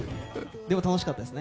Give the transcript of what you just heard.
でも、楽しかったです。